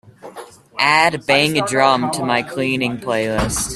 add bang a drum to my cleaning playlist